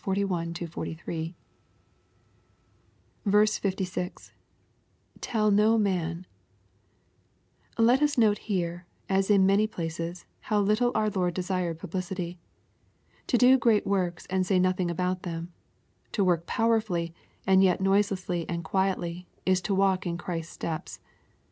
41—43.) 60. — [Tdl no man,) Let us note here, as in many places, how little our Lord desired publicity. To do great works and say nothing about them — ^to work powerfully, and yet noiselessly and quietly is to walk in Christ's steps.